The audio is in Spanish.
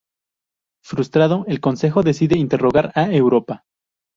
Frustrado, el consejo decide interrogar a Europa.